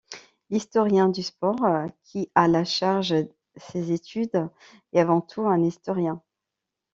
L'historien du sport qui a la charge ces études est avant tout un historien.